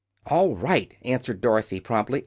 "All right," answered Dorothy, promptly.